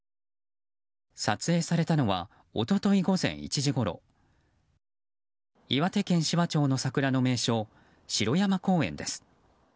撮影されたのは一昨日午前１時ごろ岩手県紫波町の桜の名所城山公園です。